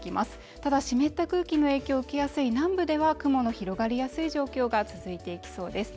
ただ、湿った空気の影響を受けやすい南部では雲の広がりやすい状況が続いていきそうです。